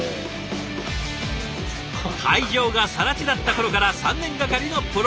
会場がさら地だった頃から３年がかりのプロジェクト。